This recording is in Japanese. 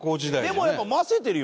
でもやっぱませてるよね。